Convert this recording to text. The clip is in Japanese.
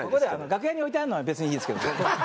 楽屋に置いてあんのは別にいいんですけど。